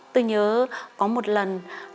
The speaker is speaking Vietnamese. tôi nhớ có một lần